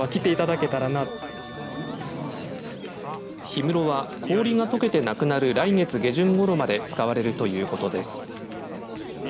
氷室は、氷がとけてなくなる来月下旬ごろまで使われるということです。